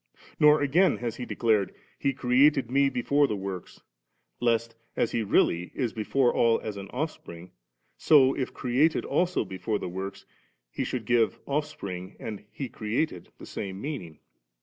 Nor again has He declared, * He created Me before the works,' lest, as He really is before sdl, as an Ofi&pring, so, if created also before the works. He should give * Oflfspring ' and * He created ' the same meaning.